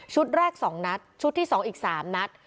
ชุดแรกสองนัดชุดที่สองอีกสามนัด